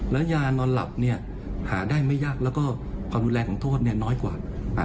และยานอนหลับหาได้ไม่ยากแล้วก็ความดูแลของโทษน้อยกว่า